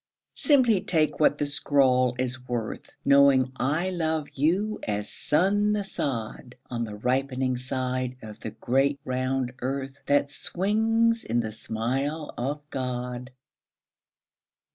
Simply take what the scrawl is worth Knowing I love you as sun the sod On the ripening side of the great round earth That swings in the smile of God.